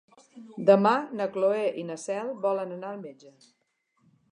Demà na Cloè i na Cel volen anar al metge.